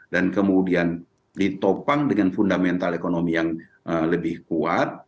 dan kemudian ditopang dengan fundamental ekonomi yang lebih kuat